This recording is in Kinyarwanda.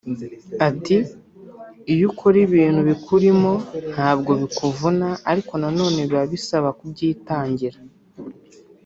Ati "Iyo ukora ibintu bikurimo ntabwo bikuvuna ariko na none biba bisaba kubyitangira